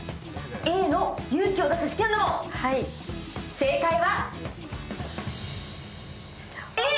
正解はＡ！